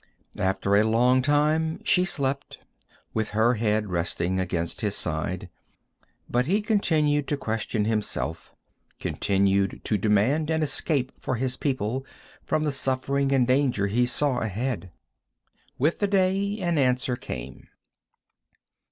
After a long time she slept, with her head resting against his side, but he continued to question himself, continued to demand an escape for his people from the suffering and danger he saw ahead. With the day an answer came.